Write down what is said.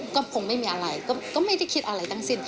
ก็คงไม่มีอะไรก็ไม่ได้คิดอะไรทั้งสิ้น